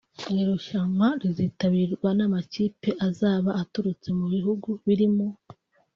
Iri rushanwa rizitabirwa n’amakipe azaba aturutse mu bihugu birimo